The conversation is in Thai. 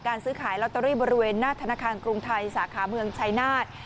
ซื้อขายลอตเตอรี่บริเวณหน้าธนาคารกรุงไทยสาขาเมืองชายนาฏ